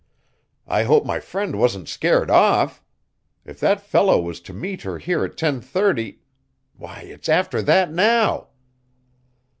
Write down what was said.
I hope my friend wasn't scared off! If that fellow was to meet her here at 10.30 why, it's after that now!"